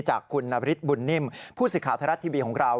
จากคุณนบริษฐ์บุญนิมผู้สิทธิ์ขาวทะเลาะทีวีของเรา